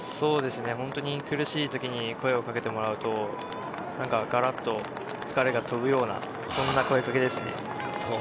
苦しい時に声をかけてもらうと何かガラっと疲れが飛ぶような、そんな声かけです。